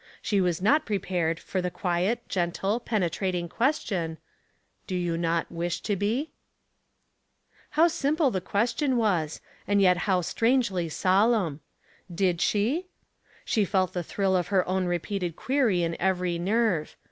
She was not prepared for the quiet, gentle, penetrating question, —" Do you not wish to be ?" How simple the question was, and yet how strangely solemn ! Did she ? She felt the thrill of her own repeated query in every nerve.